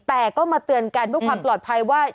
แต่ก็มาเตือนกันเพื่อความปลอดภัยว่า